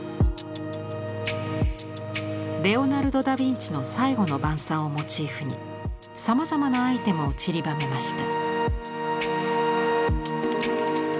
レオナルド・ダ・ヴィンチの「最後の晩餐」をモチーフにさまざまなアイテムをちりばめました。